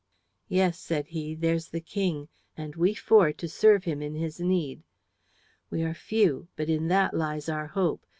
"Yes," said he; "there's the King, and we four to serve him in his need. We are few, but in that lies our one hope.